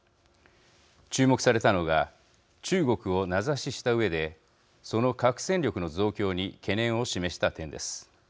注目されたのが中国を名指ししたうえでその核戦力の増強に懸念を示した点です。